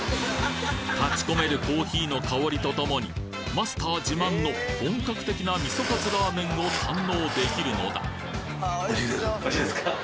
立ち込めるコーヒーの香りと共にマスター自慢の本格的なみそカツラーメンを堪能できるのだ！